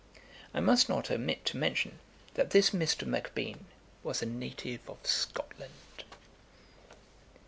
] I must not omit to mention, that this Mr. Macbean was a native of Scotland.